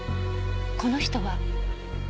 この人は？